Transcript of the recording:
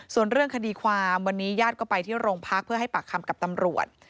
ส่วนเรื่องคดีความวันนี้ญาติก็ไปที่โรงพักเพื่อให้ปากคำกับตำรวจ